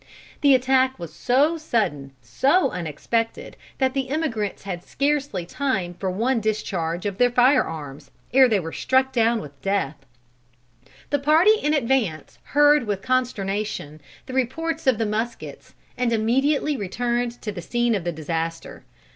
The attack was so sudden, so unexpected, that the emigrants had scarcely time for one discharge of their fire arms, ere they were struck with death. The party in advance heard with consternation the reports of the muskets, and immediately returned to the scene of the disaster.